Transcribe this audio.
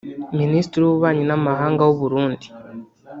Minisitiri w’Ububanyi n’Amahanga w’u Burundi